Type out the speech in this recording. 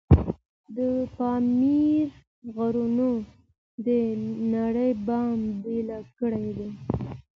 د پامیر غرونه د نړۍ بام بلل کیږي